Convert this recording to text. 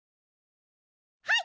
はい！